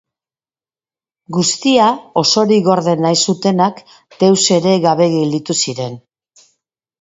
Guztia osorik gorde nahi zutenak deus ere gabe gelditu ziren.